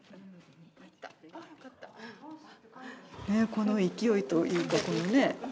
この勢いというかこのね。